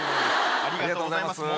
ありがとうございます。